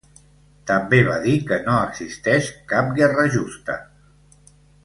També va dir que no existeix cap guerra justa.